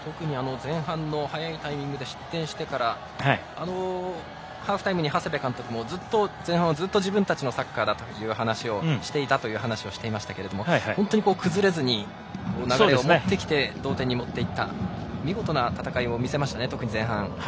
前半の早いタイミングで失点してからハーフタイムに長谷部監督も前半は自分たちのサッカーだったという話をしていましたが崩れずに流れを持ってきて同点にもっていった見事な戦いを見せましたね前半。